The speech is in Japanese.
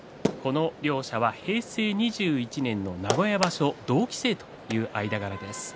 両者は平成２１年、名古屋場所同期生という間柄です。